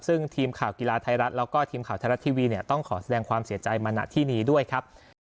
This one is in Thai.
ซึ่งทีมข่าวกีฬาไทยรัฐแล้วก็ทีมข่าวไทยรัฐทีวีเนี่ยต้องขอแสดงความเสียใจมาณที่นี้ด้วยครับ